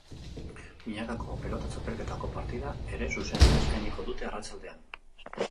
Binakako pelota txapelketako partida ere zuzenean eskainiko dute arratsaldean.